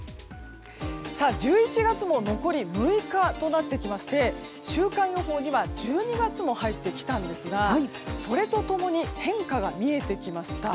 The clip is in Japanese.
１１月も残り６日となってきまして週間予報には１２月も入ってきたんですがそれと共に変化が見えてきました。